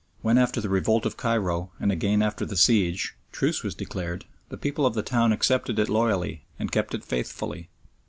When after the revolt of Cairo, and again after the siege, truce was declared, the people of the town accepted it loyally and kept it faithfully.